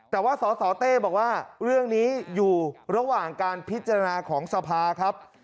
แต่ว่าสสเต้บอกว่าเรื่องนี้อยู่ระหว่างการพิจารณาของสภาครับ